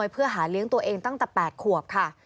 เพื่อหาเลี้ยงตัวเองตั้งแต่๘ขวบค่ะ